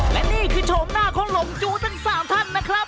และนี่คือโฉมหน้าของหลงจู้ทั้ง๓ท่านนะครับ